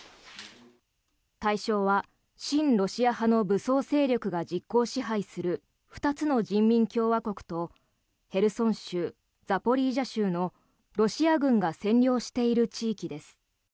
対象は、親ロシア派の武装勢力が実効支配する２つの人民共和国とヘルソン州、ザポリージャ州のロシア軍が占領している地域です。